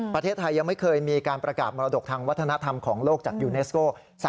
ประเทศไทยยังไม่เคยมีการประกาศมรดกทางวัฒนธรรมของโลกจากยูเนสโก